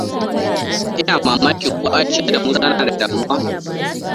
Ina mamakin ko Aisha da Musa na da damuwa.